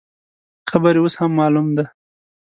قبر یې اوس هم معلوم دی.